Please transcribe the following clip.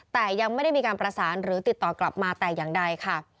แต่ยังไม่ได้มีการประสานหรือติดต่อกลับมาแต่อย่างใดค่ะ